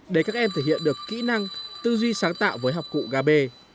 để các em thể hiện được kỹ năng tư duy sáng tạo với học cụ kb